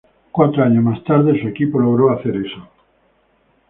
Cuatro años más tarde, su equipo logró hacer eso.